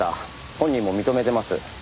本人も認めてます。